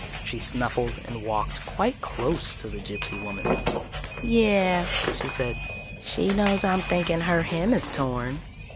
She snuffled and walked quite close to the gypsy woman. "Yeah," she said. "She knows I'm thinking her hem is torn."